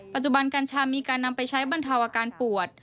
ปัจจุบันกัญชามีการนำไปใช้บรรเทาอาการปวด